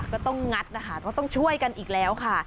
ก็ต้องงัดนะคะก็ต้องช่วยกันอีกแล้วค่ะ